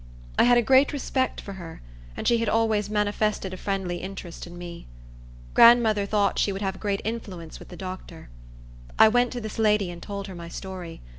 I had a great respect for her, and she had always manifested a friendly interest in me. Grandmother thought she would have great influence with the doctor. I went to this lady, and told her my story.